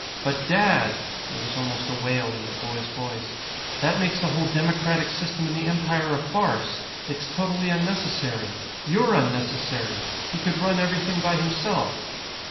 "But, Dad!" There was almost a wail in the boy's voice. "That makes the whole democratic system in the Empire a farce! It's totally unnecessary! You're unnecessary! He could run everything by himself!"